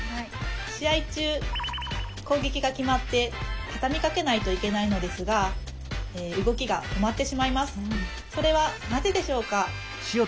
試合中攻撃が決まってたたみかけないといけないのですが動きが止まってしまいます。